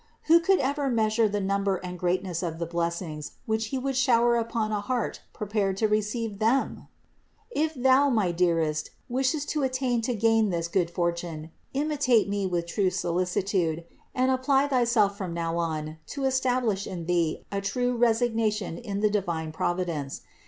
Who could ever measure the number and greatness of the blessings which He would shower upon a heart prepared to receive them ! 387. If thou, my dearest, wishest to attain to gain this good fortune, imitate me with true solicitude and apply thyself from now on to establish in thee a true resigna tion in the divine Providence.